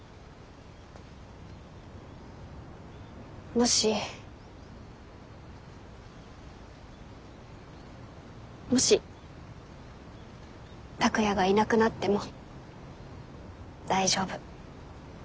もしもし拓哉がいなくなっても大丈夫。